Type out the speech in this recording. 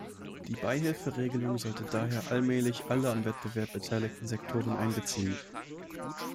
Die Beihilferegelung sollte daher allmählich alle am Wettbewerb beteiligten Sektoren einbeziehen.